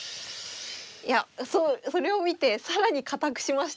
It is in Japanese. いやそうそれを見て更に堅くしました。